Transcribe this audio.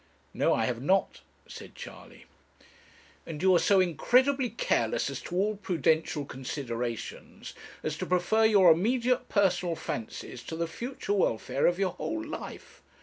'No, I have not,' said Charley. 'And you are so incredibly careless as to all prudential considerations as to prefer your immediate personal fancies to the future welfare of your whole life.